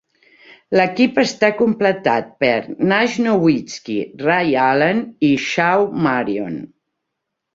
L'equip està completat per: Nash, Nowitzki, Ray Allen i Shawn Marion.